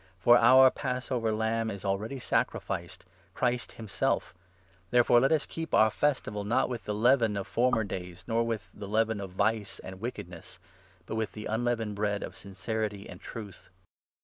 For our Passover Lamb is already sacrificed — Christ himself ; therefore let us keep our 8 festival, not with the leaven of former days, nor with the leaven of vice and wickedness, but with the unleavened bread of sincerity and truth.